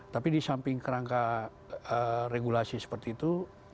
tapi di samping kerangka regulasi seperti itu